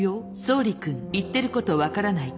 「総理君言ってること分からない」